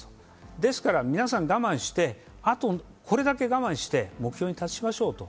ですから、皆さん我慢してこれだけ我慢して目標に達しましょうと。